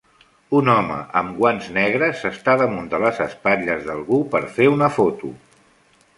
Un home amb guants negres s'està damunt de les espatlles d'algú per fer una foto.